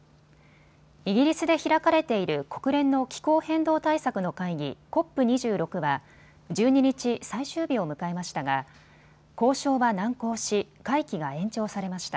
イギリスで開かれている国連の気候変動対策の会議、ＣＯＰ２６は１２日、最終日を迎えましたが交渉は難航し会期が延長されました。